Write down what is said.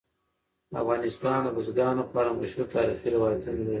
افغانستان د بزګانو په اړه مشهور تاریخي روایتونه لري.